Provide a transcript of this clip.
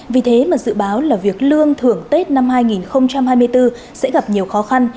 vì thế mà dự báo là việc lương thưởng tết năm hai nghìn hai mươi bốn sẽ gặp nhiều khó khăn